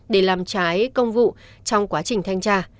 để làm trái công vụ trong quá trình thanh tra